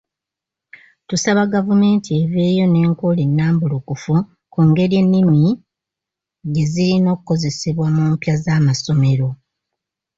Tusaba gavumenti eveeyo n'enkola ennambulukufu ku ngeri ennimi gye zirina okukozesebwa mu mpya z’amasomero.